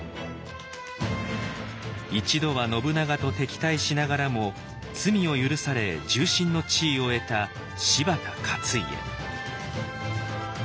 一度は信長と敵対しながらも罪を許され重臣の地位を得た柴田勝家。